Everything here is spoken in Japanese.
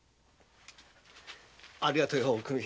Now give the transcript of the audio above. ありがとよおくみ。